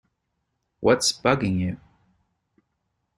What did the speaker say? What’s bugging you?